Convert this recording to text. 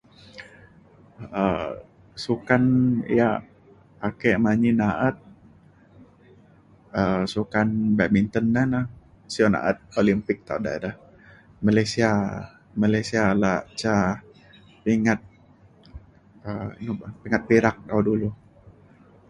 um sukan yak ake manyi na’at um sukan badminton na na sio na’at Olympic tau dai re. Malaysia Malaysia ala ca pingat um inu ba’an pingat perak ba’an dulu